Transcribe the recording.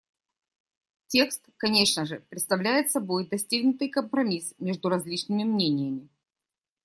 Текст, конечно же, представляет собой достигнутый компромисс между различными мнениями.